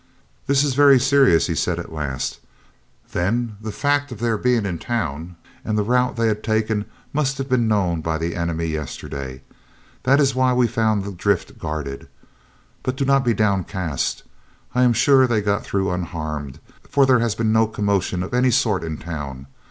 "This is very serious," he said at last; "then the fact of their being in town, and the route they had taken, must have been known to the enemy yesterday. That is why we found the drift guarded. But do not be downcast. I am sure they got through unharmed, for there has been no commotion of any sort in town.